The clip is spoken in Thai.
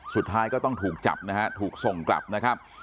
สุดท้ายก็ต้องถูกจับนะฮะถูกส่งกลับนะครับ